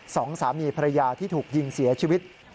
สองสามีภรรยาที่ถูกยิงเสียชีวิต